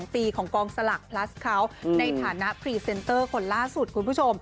๒ปีของกองสลากพลัสเขาในฐานะพรีเซนเตอร์คนล่าสุดคุณผู้ชม